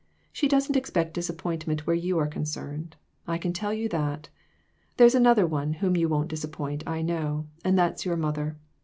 "She doesn't expect disappointment where you are concerned ; I can tell you that. There's another one whom you won't disappoint, I know ; and that's your mother.